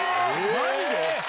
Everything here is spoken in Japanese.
マジで？